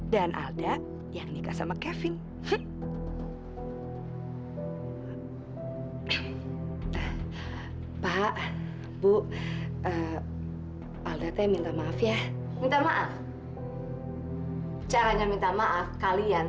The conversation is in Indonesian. dan alda yang nikah sama kevin pak bu alda minta maaf ya minta maaf caranya minta maaf kalian